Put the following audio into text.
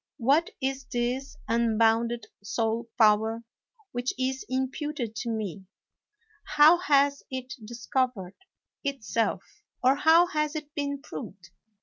What is this unbounded sole power which is imputed to me ? How has it discovered itself, or how has it been proved?